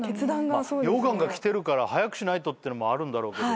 溶岩が来てるから早くしないとってあるんだろうけどね。